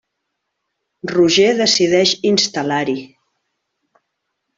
Roger decideix instal·lar-hi.